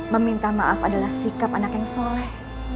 meminta maaf adalah sikap anak yang soleh